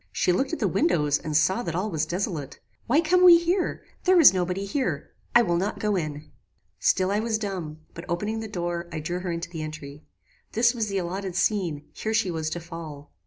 She looked at the windows and saw that all was desolate "Why come we here? There is no body here. I will not go in." "Still I was dumb; but opening the door, I drew her into the entry. This was the allotted scene: here she was to fall.